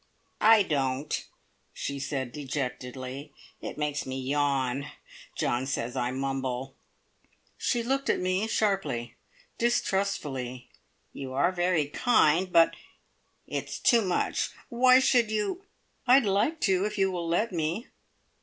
"I don't," she said dejectedly. "It makes me yawn. John says I mumble." She looked at me sharply, distrustfully. "You are very kind, but it's too much! Why should you " "I'd like to, if you will let me.